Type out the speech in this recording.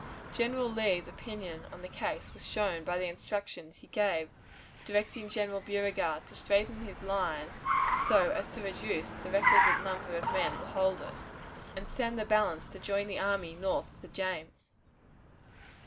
General Lee's opinion on the case was shown by the instructions he gave directing General Beauregard to straighten his line so as to reduce the requisite number of men to hold it, and send the balance to join the army north of the James.